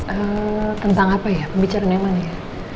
eee tentang apa ya pembicaraan yang mana ya